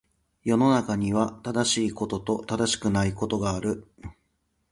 世の中には、正しいことと正しくないことがある。